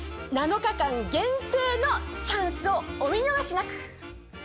７日間限定のチャンスをお見逃しなく。